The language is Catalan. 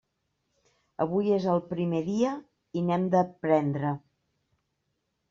Avui és el primer dia i n'hem d'aprendre.